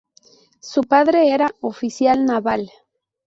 Su padre era oficial naval.